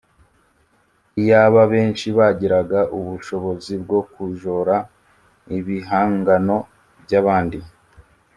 Iyaba benshi bagiraga ubushobozi bwo kujora ibihangano by’abandi